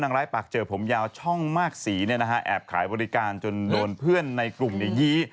ร้ายปากเจอผมยาวช่องมากสีแอบขายบริการจนโดนเพื่อนในกลุ่มยี้